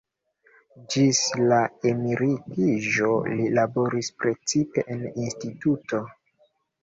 Ĝis la emeritiĝo li laboris precipe en instituto.